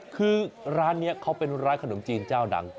คือร้านเนี้ยเค้าเป็นร้านขนมจีนจะวหนัง